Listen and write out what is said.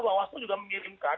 bawaslu juga mengirimkan